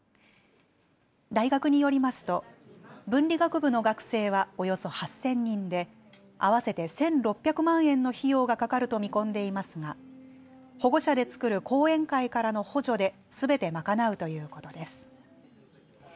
大学によりますと文理学部の学生はおよそ８０００人で合わせて１６００万円の費用がかかると見込んでいますが保護者で作る後援会からの補助ですべて賄うということです。